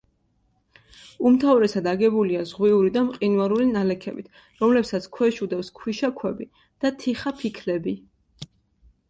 უმთავრესად აგებულია ზღვიური და მყინვარული ნალექებით, რომლებსაც ქვეშ უდევს ქვიშაქვები და თიხაფიქლები.